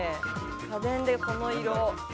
家電でこの色。